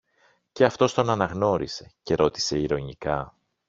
Και αυτός τον αναγνώρισε, και ρώτησε ειρωνικά